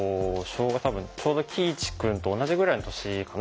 ちょうど多分喜一くんと同じぐらいの年かな？